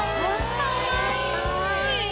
かわいい。